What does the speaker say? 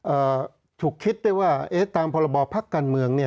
เอ่อถูกคิดได้ว่าเอ๊ะตามภาระบอบภักดิ์การเมืองเนี่ย